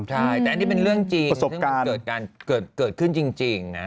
ใช่แต่อันนี้เป็นเรื่องจริงมันเกิดขึ้นจริง